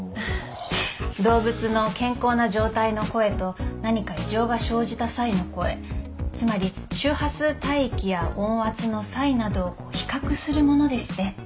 動物の健康な状態の声と何か異常が生じた際の声つまり周波数帯域や音圧の差異などを比較するものでして。